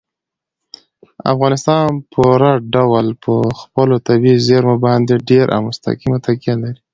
افغانستان په پوره ډول په خپلو طبیعي زیرمو باندې ډېره او مستقیمه تکیه لري.